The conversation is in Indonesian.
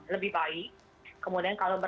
lebih baik kemudian kalau